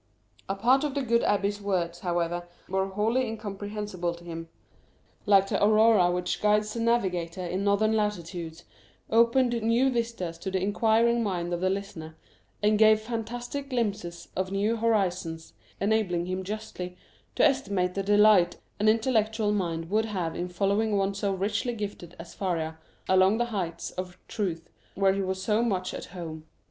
A part of the good abbé's words, however, were wholly incomprehensible to him; but, like the aurora which guides the navigator in northern latitudes, opened new vistas to the inquiring mind of the listener, and gave fantastic glimpses of new horizons, enabling him justly to estimate the delight an intellectual mind would have in following one so richly gifted as Faria along the heights of truth, where he was so much at home.